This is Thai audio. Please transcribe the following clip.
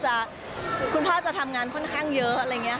เพราะว่าคุณพ่อจะทำงานค่อนข้างเยอะ